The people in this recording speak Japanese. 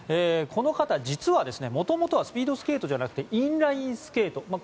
この方、実はもともとはスピードスケートじゃなくてインラインスケート。